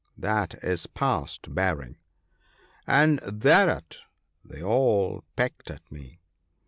That is past bearing !" And thereat they all pecked at me.